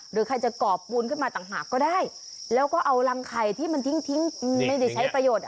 หรือใครจะก่อปูนขึ้นมาต่างหากก็ได้แล้วก็เอารังไข่ที่มันทิ้งไม่ได้ใช้ประโยชน์